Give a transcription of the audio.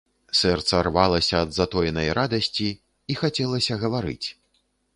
Сэрца рвалася ад затоенай радасці, і хацелася гаварыць.